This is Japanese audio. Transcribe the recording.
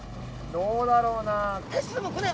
どうだろうな。